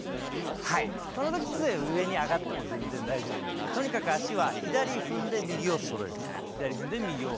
その時つえは上に上がっても全然大丈夫なので足は左踏んで右をそろえる。